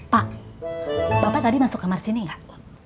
pak bapak tadi masuk kamar sini nggak